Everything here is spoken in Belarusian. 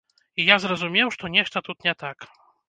І я зразумеў, што нешта тут не так.